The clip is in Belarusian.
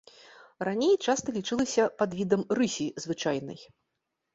Раней часта лічылася падвідам рысі звычайнай.